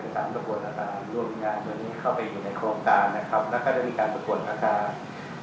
ก็ถ้าที่สุดแล้วเนี่ยก็ได้มีการตัดสินแชนรวมกันว่าแค่สำเร็จการปรับทุนสถานรอย